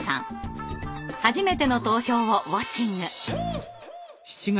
初めての投票をウォッチング。